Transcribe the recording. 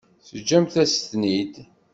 Teǧǧamt-as-ten-id.